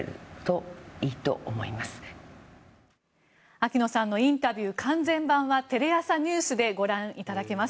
秋野さんのインタビュー完全版はテレ朝ｎｅｗｓでご覧いただけます。